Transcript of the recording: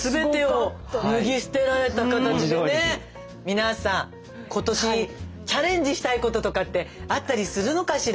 皆さん今年チャレンジしたいこととかってあったりするのかしら。